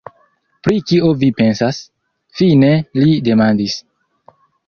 Pri kio vi pensas? fine li demandis.